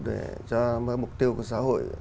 để cho mục tiêu của xã hội